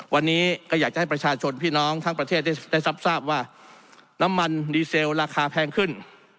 วันนี้ก็อยากจะให้ประชาชนพี่น้องทั้งประเทศได้รับทราบว่าน้ำมันดีเซลราคาแพงขึ้น